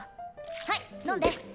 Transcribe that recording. はい飲んで。